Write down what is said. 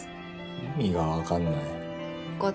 意味がわかんないよ。